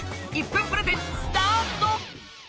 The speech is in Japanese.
１分プレゼンスタート！